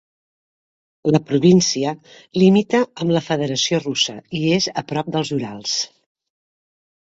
La província limita amb la Federació Russa i és a prop dels Urals.